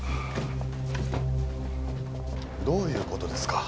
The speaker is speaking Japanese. どういう事ですか？